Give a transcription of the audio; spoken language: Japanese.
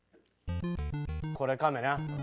これカメな。